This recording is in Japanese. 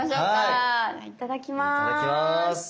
いただきます。